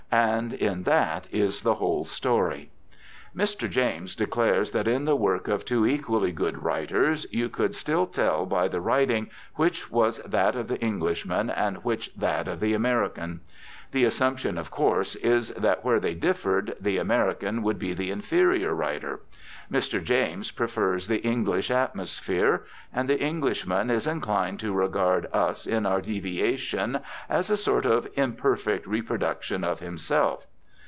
And in that is the whole story. Mr. James declares that in the work of two equally good writers you could still tell by the writing which was that of the Englishman and which that of the American. The assumption of course is that where they differed the American would be the inferior writer. Mr. James prefers the English atmosphere. And the Englishman is inclined to regard us in our deviation as a sort of imperfect reproduction of himself.